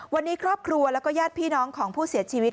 วันนี้ครอบครัวแล้วก็ญาติพี่น้องของผู้เสียชีวิต